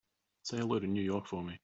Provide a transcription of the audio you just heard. Say hello to New York for me.